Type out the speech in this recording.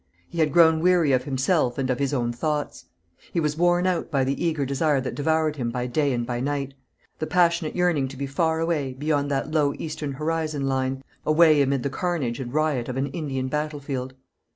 He had grown weary of himself and of his own thoughts. He was worn out by the eager desire that devoured him by day and by night, the passionate yearning to be far away beyond that low Eastern horizon line; away amid the carnage and riot of an Indian battle field.